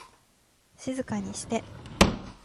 静かにして